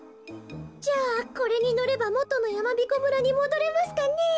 じゃあこれにのればもとのやまびこ村にもどれますかねえ。